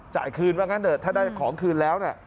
จ่ายคืนถ้าได้ของคืนแล้ว